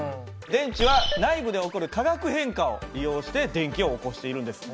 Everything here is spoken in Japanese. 電池は内部で起こる化学変化を利用して電気を起こしているんです。